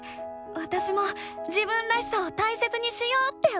わたしも「自分らしさ」を大切にしようって思ったよ！